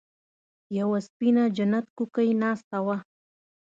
يوه سپينه جنت کوکۍ ناسته وه.